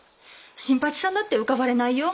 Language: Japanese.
新八さんだって浮かばれないよ。